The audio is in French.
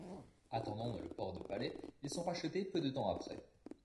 Attendant dans le port de Palais, ils sont rachetés peu de temps après.